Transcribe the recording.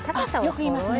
よく言いますね